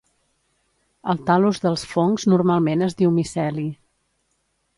El tal·lus dels fongs normalment es diu miceli.